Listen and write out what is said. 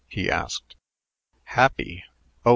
he asked. "Happy? Oh!